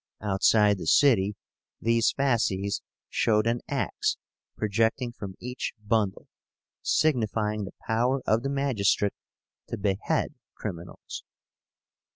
Outside the city, these fasces showed an axe projecting from each bundle, signifying the power of the magistrate to behead criminals."